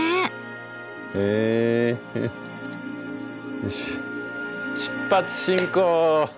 よし出発進行！